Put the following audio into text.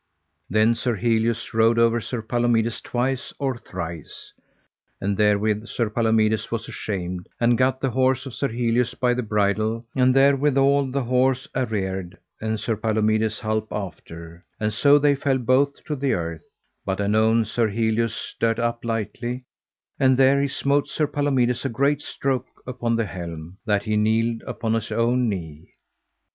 Then Sir Helius rode over Sir Palomides twice or thrice. And therewith Sir Palomides was ashamed, and gat the horse of Sir Helius by the bridle, and therewithal the horse areared, and Sir Palomides halp after, and so they fell both to the earth; but anon Sir Helius stert up lightly, and there he smote Sir Palomides a great stroke upon the helm, that he kneeled upon his own knee.